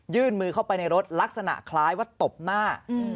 มือเข้าไปในรถลักษณะคล้ายว่าตบหน้า